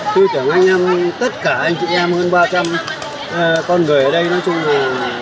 tư tưởng của anh em tất cả anh chị em hơn ba trăm linh con người ở đây nói chung là